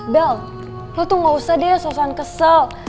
bel lo tuh gausah deh sosoan kesel